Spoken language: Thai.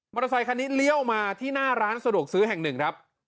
เตอร์ไซคันนี้เลี้ยวมาที่หน้าร้านสะดวกซื้อแห่งหนึ่งครับ